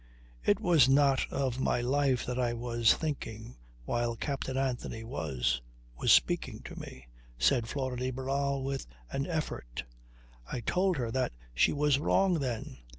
"It was not of my life that I was thinking while Captain Anthony was was speaking to me," said Flora de Barral with an effort. I told her that she was wrong then.